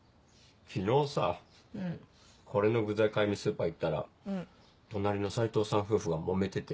昨日さこれの具材買いにスーパー行ったら隣の齋藤さん夫婦がもめてて。